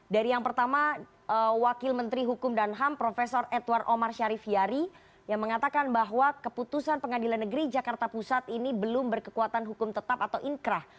dari yang pertama wakil menteri hukum dan ham prof edward omar syarif yari yang mengatakan bahwa keputusan pengadilan negeri jakarta pusat ini belum berkekuatan hukum tetap atau inkrah